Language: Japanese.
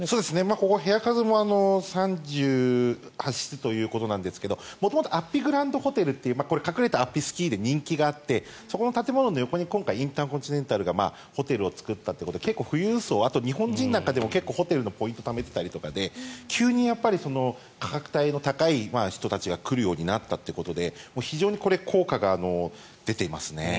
ここ、部屋数も３８室ということなんですが元々安比グランドホテルっていう隠れた安比スキーで人気があってそこの建物の横に今回、インターコンチネンタルがホテルを作ったということで富裕層、日本人でもホテルのポイントをためていたりとかで急に価格帯の高い人たちが来るようになったということで非常に効果が出ていますね。